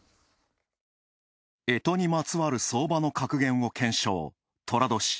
干支にまつわる相場の格言を検証。